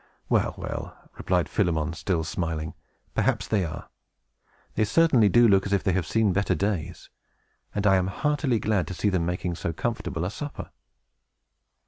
"Well, well," replied Philemon, still smiling, "perhaps they are. They certainly do look as if they had seen better days; and I am heartily glad to see them making so comfortable a supper."